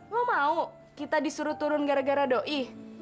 lo mau kita disuruh turun gara gara doi